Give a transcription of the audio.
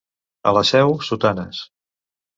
A la Seu, sotanes.